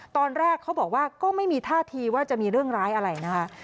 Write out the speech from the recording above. ตอนแรกเขาบอกว่าก็ไม่มีท่าทีว่าจะมีเรื่องร้ายอะไรนะคะ